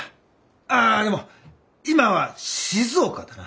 ああでも今は静岡だな。